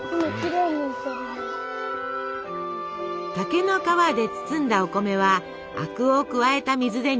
竹の皮で包んだお米は灰汁を加えた水で煮ます。